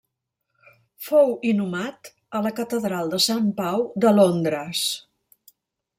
Fou inhumat a la Catedral de Sant Pau de Londres.